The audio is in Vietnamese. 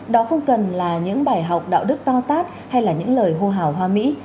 đó không cần là những bài học đạo đức to tát hay là những lời hô hào hoa mỹ